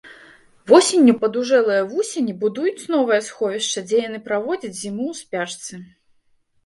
Восенню падужэлыя вусені будуюць новае сховішча, дзе яны праводзяць зіму ў спячцы.